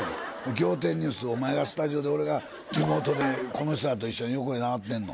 『仰天ニュース』をお前がスタジオで俺がリモートでこの人らと一緒に横に並べてんの？